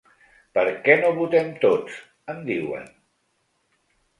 Per què no votem tots, em diuen?